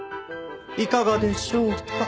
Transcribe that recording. いかがでしょうか？